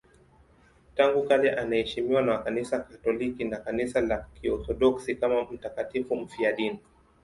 Tangu kale anaheshimiwa na Kanisa Katoliki na Kanisa la Kiorthodoksi kama mtakatifu mfiadini.